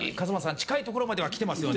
近いところには来てますよね。